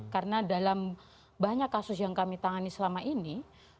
karena dalam banyak kasus yang kami tangani selama ini